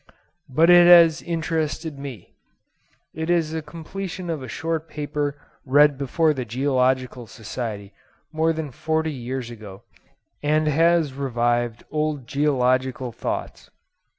but it has interested me. It is the completion of a short paper read before the Geological Society more than forty years ago, and has revived old geological thoughts.